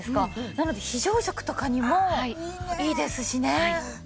なので非常食とかにもいいですしね。